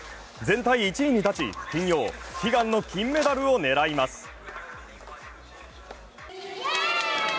全体１位に立ち、金曜、悲願の金メダルを狙います。